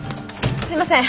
すいません